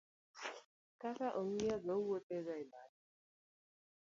ka ka ong'iyo ga owuodho ga e bathe